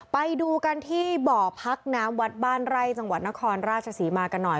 ไปดูกันที่บ่อพักน้ำวัดบ้านไร่จังหวัดนครราชศรีมากันหน่อย